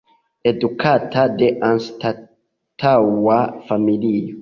Edukata de anstataŭa familio.